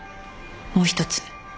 もう一つ。